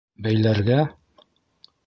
— Бәйләргә?